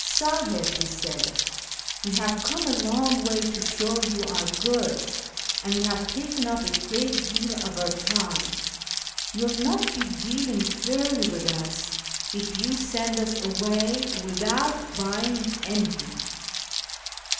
" Sahib," he said, " we have come a long way to show you our goods, and you have taken up a great deal of our time. You will not be dealing fairly with us if you send us away without buying anything."